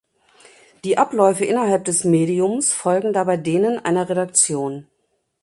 Die Abläufe innerhalb des Mediums folgen dabei denen einer Redaktion.